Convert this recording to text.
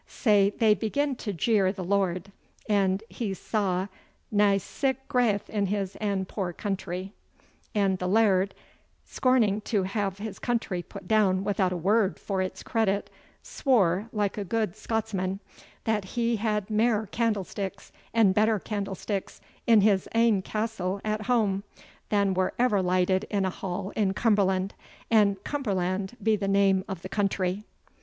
Sae they began to jeer the Laird, that he saw nae sic graith in his ain poor country; and the Laird, scorning to hae his country put down without a word for its credit, swore, like a gude Scotsman, that he had mair candlesticks, and better candlesticks, in his ain castle at hame, than were ever lighted in a hall in Cumberland, an Cumberland be the name o' the country."